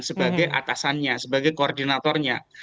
sebagai atasannya sebagai koordinatornya